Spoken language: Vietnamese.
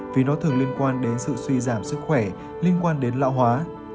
vì nó thường liên quan đến sự suy giảm sức khỏe liên quan đến lão hóa